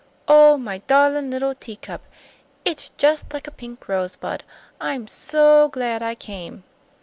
Oh, my darlin' little teacup! It's jus' like a pink rosebud. I'm so glad I came!"